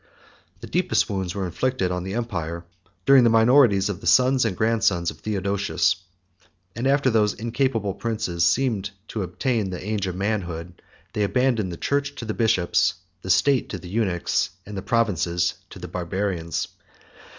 The deepest wounds were inflicted on the empire during the minorities of the sons and grandsons of Theodosius; and, after those incapable princes seemed to attain the age of manhood, they abandoned the church to the bishops, the state to the eunuchs, and the provinces to the Barbarians.